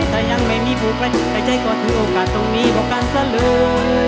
ว่าใช่แต่ยังไม่มีผู้ใกล้ในใจก็ถือโอกาสตรงนี้ก็กันซะเลย